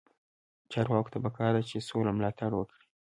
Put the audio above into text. چارواکو ته پکار ده چې، سوله ملاتړ وکړي.